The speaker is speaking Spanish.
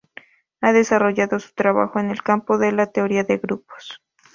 Ha desarrollado su trabajo en el campo de la teoría de grupos.